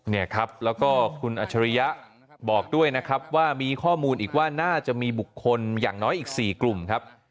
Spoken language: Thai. เนี่ยครับแล้วก็คุณอัจฉริยะบอกด้วยนะครับว่ามีข้อมูลอีกว่าน่าจะมีบุคคลอย่างน้อยอีก๔กลุ่มครับ